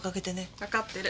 わかってる。